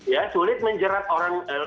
ya sulit menjerat orang